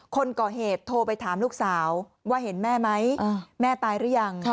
คนก่อเหตุโทรไปถามลูกสาวว่าเห็นแม่ไหมแม่ตายหรือยัง